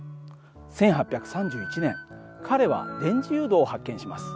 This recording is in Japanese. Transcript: １８３１年彼は電磁誘導を発見します。